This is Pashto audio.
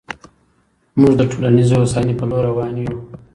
موږ د ټولنیزې هوساینې په لور روان یو.